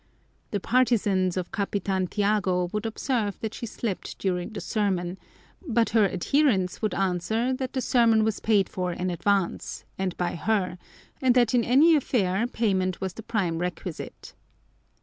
The partizans of Capitan Tiago would observe that she slept during the sermon; but her adherents would answer that the sermon was paid for in advance, and by her, and that in any affair payment was the prime requisite.